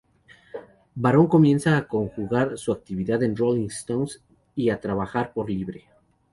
Baron comienza a conjugar su actividad en "Rolling Stone" y a trabajar por libre.